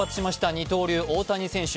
二刀流・大谷選手。